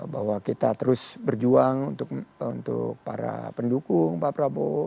bahwa kita terus berjuang untuk para pendukung pak prabowo